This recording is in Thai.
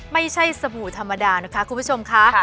สบู่ธรรมดานะคะคุณผู้ชมค่ะ